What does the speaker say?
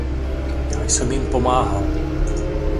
Já jsem jim pomáhal.